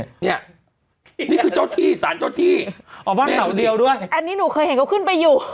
นี่คือเจ้าที่สารเจ้าที่เสาเดียวด้วยอันนี้หนูเคยเห็นเขาขึ้นไปอยู่